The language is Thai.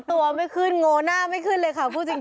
ตัวไม่ขึ้นโง่หน้าไม่ขึ้นเลยค่ะพูดจริง